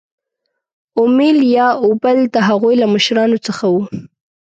اومیل یا اوبل د هغوی له مشرانو څخه وو.